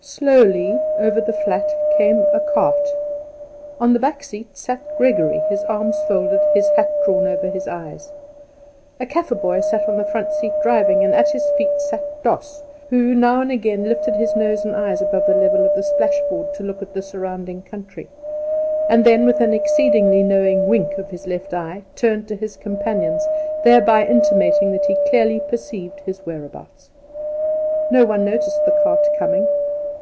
Slowly over the flat came a cart. On the back seat sat Gregory, his arms folded, his hat drawn over his eyes. A Kaffer boy sat on the front seat driving, and at his feet sat Doss, who, now and again, lifted his nose and eyes above the level of the splashboard, to look at the surrounding country; and then, with an exceedingly knowing wink of his left eye, turned to his companions, thereby intimating that he clearly perceived his whereabouts. No one noticed the cart coming.